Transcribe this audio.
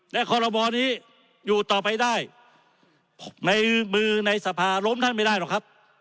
และคอรบนี้อยู่ต่อไปได้ในมือในสภาล้มท่านไม่ได้หรอกครับ